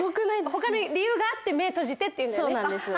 他に理由があって目閉じてって言うんだよね？